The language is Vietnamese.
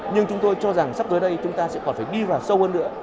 nhưng chúng tôi cho rằng sắp tới đây chúng ta sẽ còn phải đi vào sâu hơn nữa